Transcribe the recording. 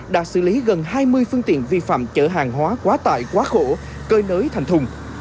đã xử lý gần hai mươi phương tiện vi phạm chở hàng hóa quá tải quá khổ cơi nới thành thùng